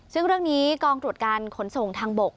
ซึ่งเรื่องนี้กองตรวจการขนส่งทางบก